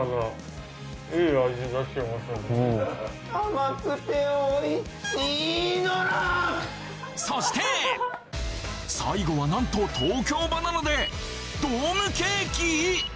甘くてそして最後はなんと東京ばな奈でドームケーキ！？